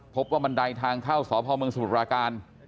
พบว่ามันใดทางเข้าสหพาลเมืองสมุทรการ